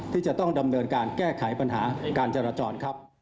ที่จะต้องดำเนินการแก้ไขปัญหาการจราจรครับ